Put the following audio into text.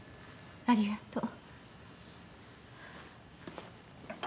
ありがとう。